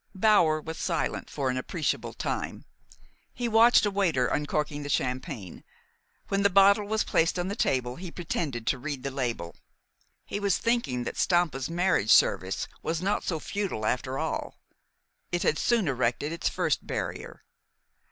Bower was silent for an appreciable time. He watched a waiter uncorking the champagne. When the bottle was placed on the table he pretended to read the label. He was thinking that Stampa's marriage service was not so futile, after all. It had soon erected its first barrier.